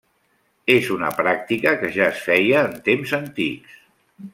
És una pràctica que ja es feia en temps antics.